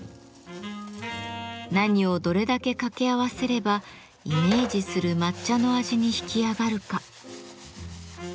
何をどれだけ掛け合わせればイメージする抹茶の味に引き上がるか。